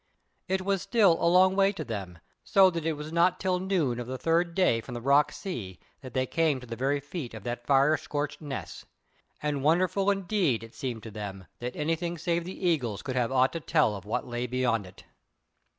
It was still a long way to them, so that it was not till noon of the third day from the rock sea that they came to the very feet of that fire scorched ness, and wonderful indeed it seemed to them that anything save the eagles could have aught to tell of what lay beyond it.